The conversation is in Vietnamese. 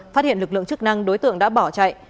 phát hiện lực lượng chức năng đối tượng đã bỏ chạy